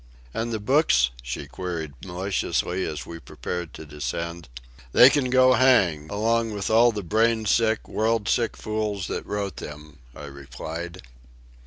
"And the books?" she queried maliciously, as we prepared to descend. "They can go hang, along with all the brain sick, world sick fools that wrote them," I replied.